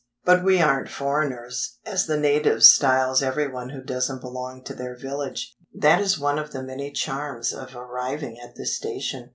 But we aren't "foreigners" (as the natives style everyone who doesn't belong to their village). That is one of the many charms of arriving at this station.